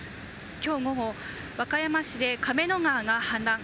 今日午後、和歌山市で亀の川が氾濫